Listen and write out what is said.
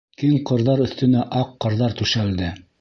Киң ҡырҙар өҫтөнә аҡ ҡарҙар түшәлде.